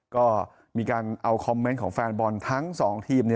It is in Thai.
ก็มีการเอาคอมเมนต์ของแฟนบอลทั้ง๒ทีม